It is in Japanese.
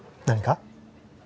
何か？